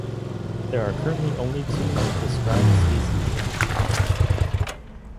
There are currently only two described species in the genus.